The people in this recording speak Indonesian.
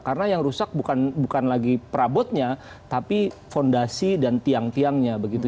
karena yang rusak bukan lagi perabotnya tapi fondasi dan tiang tiangnya begitu